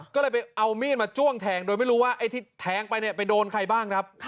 ก็เลยไปเอามีดมาจ้วงแทงโดยไม่รู้ว่าไอ้ที่แทงไปเนี่ยไปโดนใครบ้างครับ